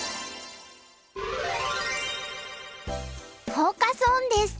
フォーカス・オンです。